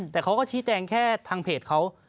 แต่เขาก็ชี้แจงแค่ทางเพจเขา